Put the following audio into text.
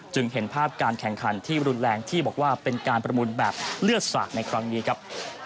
เห็นภาพการแข่งขันที่รุนแรงที่บอกว่าเป็นการประมูลแบบเลือดสาดในครั้งนี้ครับ